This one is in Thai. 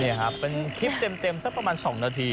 นี่ครับเป็นคลิปเต็มสักประมาณ๒นาที